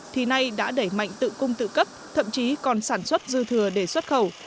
thì nay đã đẩy mạnh tự cung tự cấp thậm chí còn sản xuất dư thừa để xuất khẩu